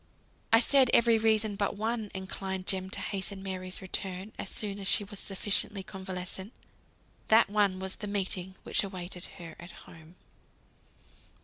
I said every reason "but one" inclined Jem to hasten Mary's return as soon as she was sufficiently convalescent. That one was the meeting which awaited her at home.